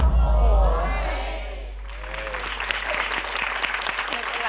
ถูกแสนถูกแสนถูกแสนถูกแสนถูกแสน